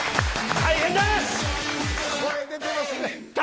大変です！